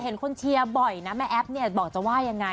คนเชียร์บ่อยนะแม่แอ๊บเนี่ยบอกจะว่ายังไง